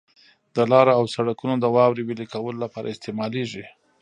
د لارو او سرکونو د واورې ویلي کولو لپاره استعمالیږي.